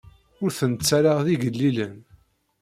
Ur tent-ttarraɣ d igellilen.